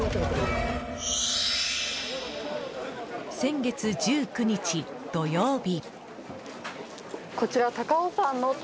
先月１９日、土曜日。